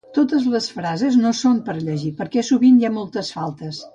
Totes les frases no son per llegir perquè sovint hi ha moltes faltes